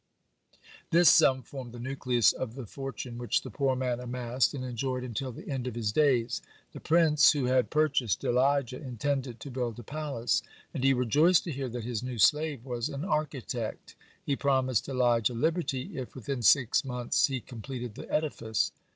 This sum formed the nucleus of the fortune which the poor man amassed and enjoyed until the end of his days. The prince who had purchased Elijah intended to build a palace, and he rejoiced to hear that his new slave was an architect. He promised Elijah liberty if within six months he completed the edifice.